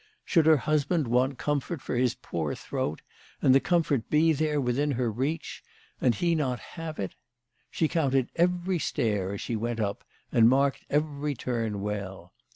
Should her husband want comfort for his poor throat, , and the comfort be there within her reach, and he not have it ? She counted every stair as she went up, and' marked every turn well.